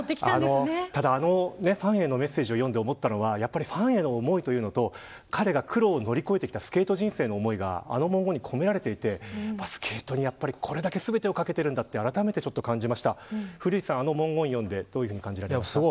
ただあのファンへのメッセージを読んで思ったのはファンへの思いというのと彼が苦労を乗り越えてきたスケート人生への思いがあの文言に込められていてスケートにこれだけ全てを懸けているんだとあらためて思いました。